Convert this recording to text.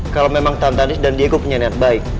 kalau memang tante andis dan diego punya niat baik